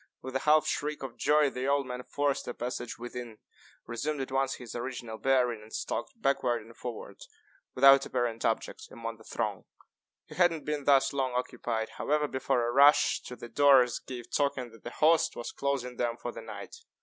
With a half shriek of joy the old man forced a passage within, resumed at once his original bearing, and stalked backward and forward, without apparent object, among the throng. He had not been thus long occupied, however, before a rush to the doors gave token that the host was closing them for the night.